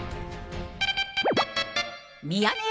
ミヤネ屋